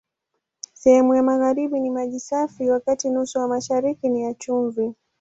Sehemu ya magharibi ni maji safi, wakati nusu ya mashariki ni ya chumvi.